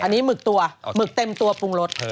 อันนี้หมึกตัวหมึกเต็มตัวปรุงรส